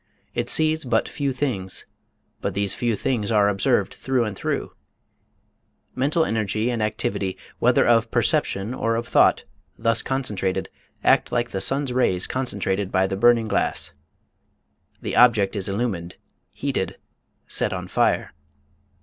It sees but few things, but these few are observed "through and through" ... Mental energy and activity, whether of perception or of thought, thus concentrated, act like the sun's rays concentrated by the burning glass. The object is illumined, heated, set on fire.